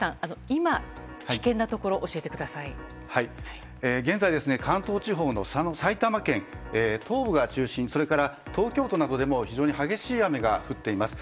今、危険なところを現在、関東地方の埼玉県東部中心それから東京都などでも非常に激しい雨が降っています。